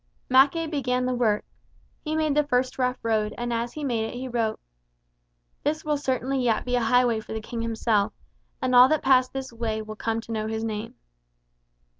Mackay began the work. He made the first rough road and as he made it he wrote: "This will certainly yet be a highway for the King Himself; and all that pass this way will come to know His name."